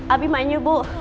abi mainnya bu